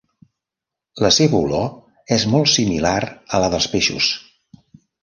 La seva olor és molt similar a la dels peixos.